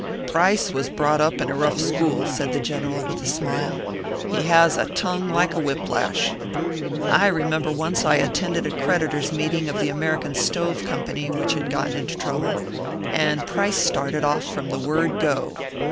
"Price was brought up in a rough school," said the General, with a smile. "He has a tongue like a whip lash. I remember once I attended a creditors' meeting of the American Stove Company, which had got into trouble, and Price started off from the word go.